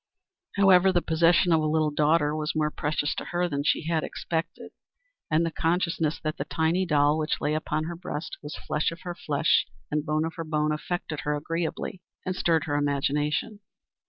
However, the possession of a little daughter was more precious to her than she had expected, and the consciousness that the tiny doll which lay upon her breast, was flesh of her flesh and bone of her bone affected her agreeably and stirred her imagination.